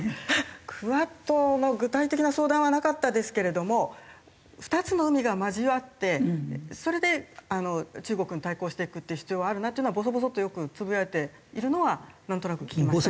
ＱＵＡＤの具体的な相談はなかったですけれども２つの海が交わってそれで中国に対抗していく必要はあるなっていうのはぼそぼそっとよくつぶやいているのはなんとなく聞きましたけど。